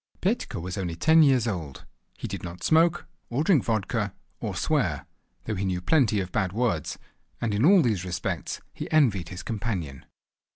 Petka was only ten years old. He did not smoke, or drink vodka, or swear, though he knew plenty of bad words, and in all these respects he envied his companion.